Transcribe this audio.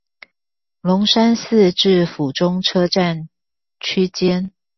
龍山寺至府中車站區間